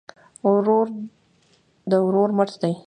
ورور د ورور مټ دی